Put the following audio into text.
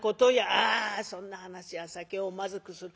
「ああそんな話は酒をまずくする。